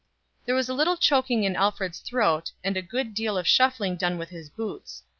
There was a little choking in Alfred's throat, and a good deal of shuffling done with his boots.